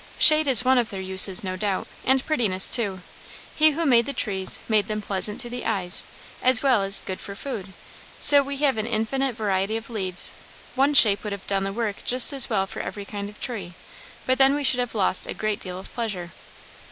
"Shade is one of their uses, no doubt, and prettiness too. He who made the trees, made them 'pleasant to the eyes,' as well as 'good for food.' So we have an infinite variety of leaves; one shape would have done the work just as well for every kind of tree, but then we should have lost a great deal of pleasure.